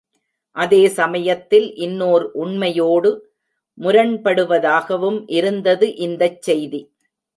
அதே சமயத்தில் இன்னோர் உண்மையோடு முரண்படுவதாகவும் இருந்தது இந்தச் செய்தி.